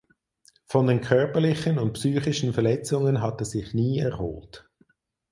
Von den körperlichen und psychischen Verletzungen hat er sich nie erholt.